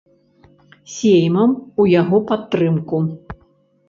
Сеймам у яго падтрымку.